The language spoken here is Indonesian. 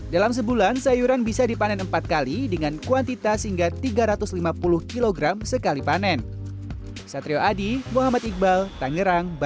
dalam sebulan sayuran bisa dipanen empat kali dengan kuantitas hingga tiga ratus lima puluh kg sekali panen